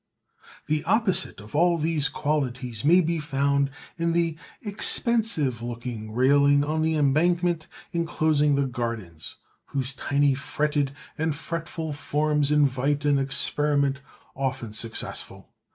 The opposite of all these qualities may be found in the "expensive" looking railing on the Embankment enclosing the gardens, whose tiny fretted and fretful forms invite an experiment often successful.